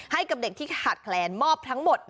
ให้กับเด็กที่ขาดแคลนมอบทั้งหมด